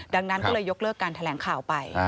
ดังนั้นก็เลยยกเลิกการแถลงข่าวไป